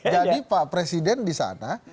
jadi pak presiden disana